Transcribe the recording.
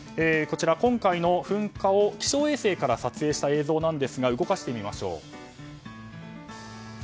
今回の噴火を気象衛星から撮影した映像ですが動かしてみましょう。